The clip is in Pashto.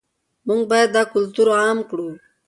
موږ باید دا کلتور عام کړو.